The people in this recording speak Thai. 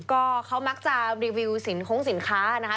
ก็เขามักจะรีวิวสินคงสินค้านะคะ